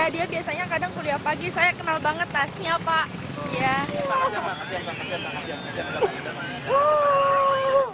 dia biasanya kadang kuliah pagi saya kenal banget tasnya pak